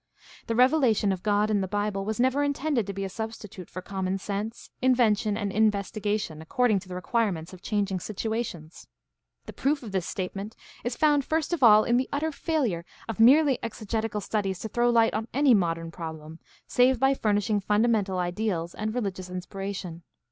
The revelation of God in the Bible was never intended to be a substitute for common sense, invention, and investigation according to the requirements of changing situations. The proof of this statement is found first of all in the utter failure of merely exegetical studies to throw light on any modern problem, save by furnishing fundamental ideals and religious inspiration.